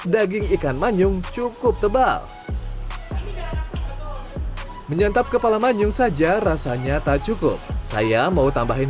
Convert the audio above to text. daging ikan manyung cukup tebal menyantap kepala manyung saja rasanya tak cukup saya mau tambahin